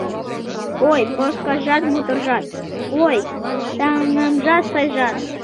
Ой, Проскажат-моторжат, ой, таҥемжат-сайжат!